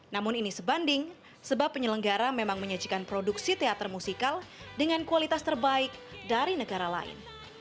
namun ini sebanding sebab penyelenggara memang menyajikan produksi teater musikal dengan kualitas terbaik dari negara lain